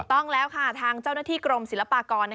ต้องแล้วค่ะทางเจ้าหน้าที่กรมศิลปากร